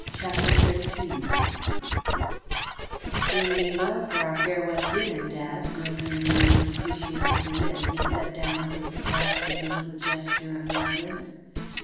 CHAPTER XIII "Doing me well for our farewell dinner, Dad," Gregory murmured appreciatively, as he set down his glass with a little gesture of reverence.